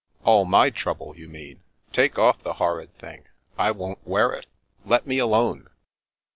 " All my trouble, you mean. Take off the horrid thing. I won't wear it. Let me alone."